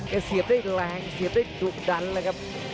เสียบได้แรงเสียบได้ดุดันนะครับ